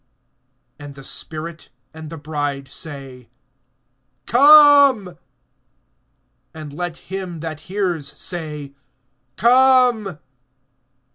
(17)And the Spirit and the bride say: Come. And let him that hears say: Come.